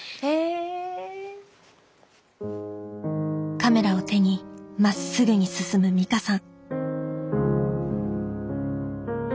カメラを手にまっすぐに進む美香さん